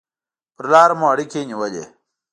پر لاره مو اړیکې نیولې.